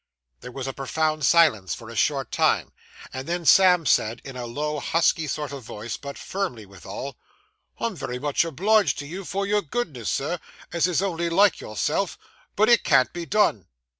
There was a profound silence for a short time, and then Sam said, in a low, husky sort of voice, but firmly withal 'I'm very much obliged to you for your goodness, Sir, as is only like yourself; but it can't be done.